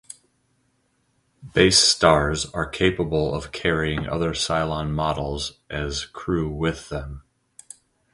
Basestars are capable of carrying other Cylon models as crew within them.